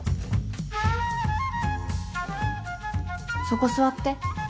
そこ座って。